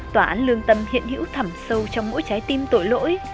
tòa án lương tâm hiện hữu thẩm sâu trong mỗi trái tim tội lỗi